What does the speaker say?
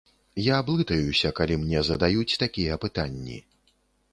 Я блытаюся, калі мне задаюць такія пытанні.